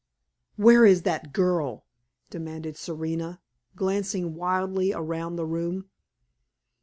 "Where is that girl?" demanded Serena, glancing wildly around the room.